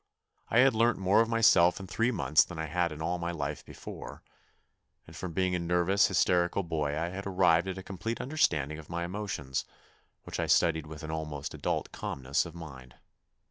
I had learnt more of myself in three months than I had in all my life before, and from being a nervous, hysterical boy I had arrived at a complete understanding of my emotions, which I studied with an almost adult calmness of mind.